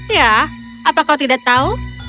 ya apa kau tidak tahu